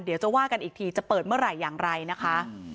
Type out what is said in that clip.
เดี๋ยวจะว่ากันอีกทีจะเปิดเมื่อไหร่อย่างไรนะคะ